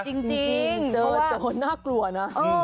จริงเจอโจรน่ากลัวนะ